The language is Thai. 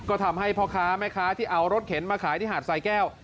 ก็ทำให้พ่อค้าแม่ค้าที่เอารถเข็นมาขายที่หาดสายแก้ว